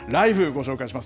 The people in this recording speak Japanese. ご紹介します。